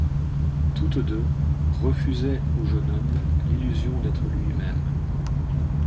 Toutes deux refusaient au jeune homme l'illusion d'être lui-même.